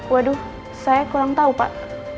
waduh saya kurang tahu pak